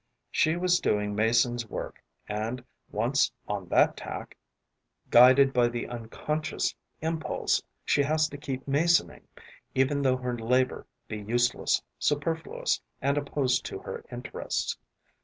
She was doing mason's work; and, once on that tack, guided by the unconscious impulse, she has to keep masoning, even though her labour be useless, superfluous and opposed to her interests.